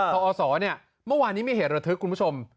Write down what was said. พอศเมื่อวานนี้มีเหตุระทึกคุณผู้ชม